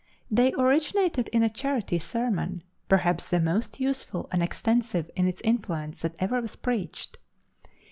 They originated in a charity sermon, perhaps the most useful and extensive in its influence that ever was preached.